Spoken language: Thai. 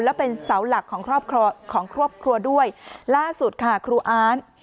และเป็นเสาหลักของครอบครัวด้วยล่าสุดค่ะครูอ้าน